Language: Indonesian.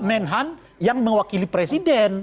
menhan yang mewakili presiden